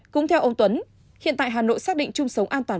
cũng theo ông tuấn hiện tại hà nội xác định chung sống an toàn